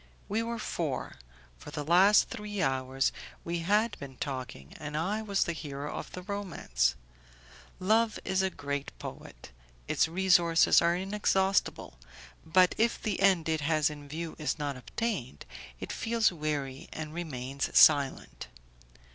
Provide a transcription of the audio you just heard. We were four; for the last three hours we had been talking, and I was the hero of the romance. Love is a great poet, its resources are inexhaustible, but if the end it has in view is not obtained, it feels weary and remains silent.